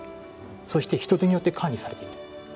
そして人手によって管理されている。